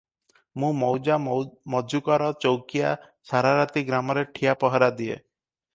ମୁଁ ମୌଜା ମଜକୁର ଚୌକିଆ, ସାରାରାତି ଗ୍ରାମରେ ଠିଆ ପହରା ଦିଏ ।